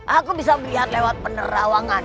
aku bisa melihat lewat penerawangan